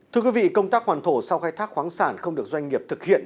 thưa quý vị công tác hoàn thổ sau khai thác khoáng sản không được doanh nghiệp thực hiện